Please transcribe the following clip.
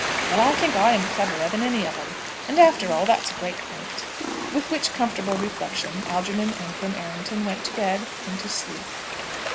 Well, I think I am cleverer than any of 'em. And, after all, that's a great point." With which comfortable reflection Algernon Ancram Errington went to bed, and to sleep.